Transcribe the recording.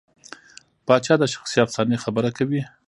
پاچا د شخصي افسانې خبره کوي.